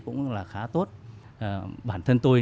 cũng là khá tốt bản thân tôi